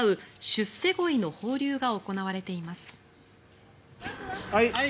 出世鯉の放流が行われています。